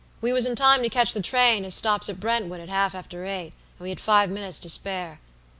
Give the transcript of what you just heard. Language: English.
We was in time to catch the train as stops at Brentwood at half after eight, and we had five minutes to spare.